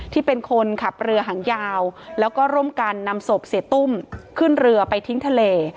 ที่เป็นคนขับเรือหางยาวแล้วก็ร่วมกันนำศพเสียตุ้มขึ้นเรือไปทิ้งทะเล